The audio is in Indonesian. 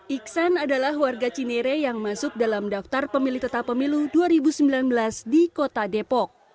iksan adalah warga cinere yang masuk dalam daftar pemilih tetap pemilu dua ribu sembilan belas di kota depok